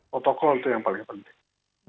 protokol itu yang paling penting